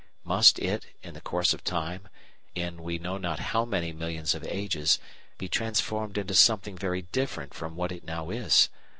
Must it, in the course of time, in we know not how many millions of ages, be transformed into something very different from what it now is?